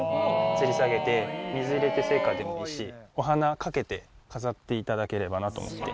つり下げて、水入れて生花でもいいし、お花かけて飾っていただければなと思って。